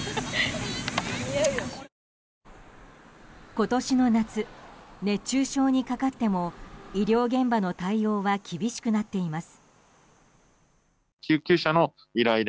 今年の夏、熱中症にかかっても医療現場の対応は厳しくなっています。